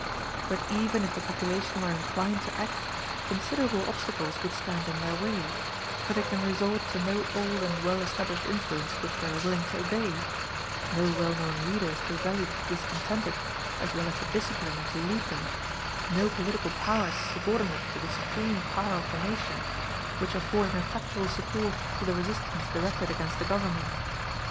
But even if the population were inclined to act, considerable obstacles would stand in their way; for they can resort to no old and well established influence which they are willing to obey no well known leaders to rally the discontented, as well as to discipline and to lead them no political powers subordinate to the supreme power of the nation, which afford an effectual support to the resistance directed against the government.